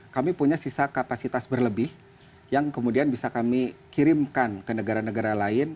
kami punya sisa kapasitas berlebih yang kemudian bisa kami kirimkan ke negara negara lain